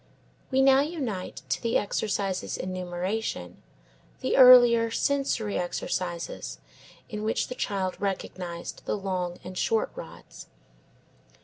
We now unite to the exercises in numeration the earlier, sensory exercises in which the child recognised the long and short rods.